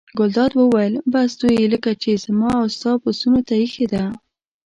ګلداد وویل: بس دوی لکه چې زما او ستا پسونو ته اېښې ده.